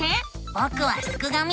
ぼくはすくがミ。